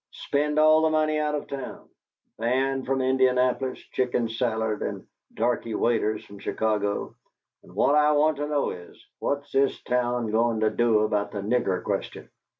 Spend all the money out of town band from Indianapolis, chicken salad and darkey waiters from Chicago! And what I want to know is, What's this town goin' to do about the nigger question?"